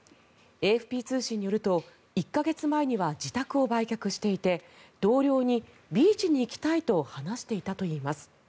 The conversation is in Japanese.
ＡＦＰ通信によると１か月前には自宅を売却していて同僚にビーチに行きたいと話していたといいます。